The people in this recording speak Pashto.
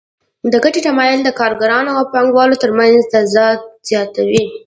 د ګټې تمایل د کارګرانو او پانګوالو ترمنځ تضاد زیاتوي